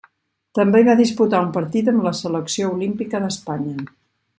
També va disputar un partit amb la selecció olímpica d'Espanya.